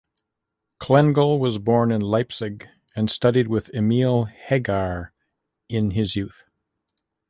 Klengel was born in Leipzig, and studied with Emil Hegar in his youth.